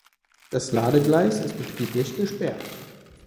Das Ladegleis ist betrieblich gesperrt.